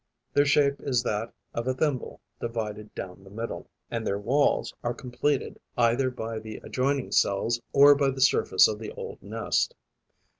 Their shape is that of a thimble divided down the middle; and their walls are completed either by the adjoining cells or by the surface of the old nest.